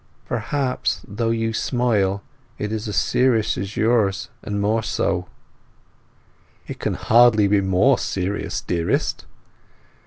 "Perhaps, although you smile, it is as serious as yours, or more so." "It can hardly be more serious, dearest."